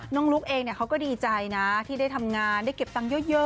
ลุ๊กเองเขาก็ดีใจนะที่ได้ทำงานได้เก็บตังค์เยอะ